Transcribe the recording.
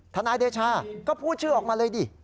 นายเดชาก็พูดชื่อออกมาเลยดิ